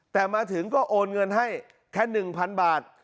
แต่มาถึงก็โอนเงินให้แค่๑๐๐๐บาท